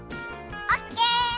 オッケー！